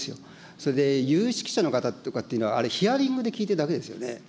それで有識者の方とかっていうのは、あれ、ヒアリングで聞いているだけですよね、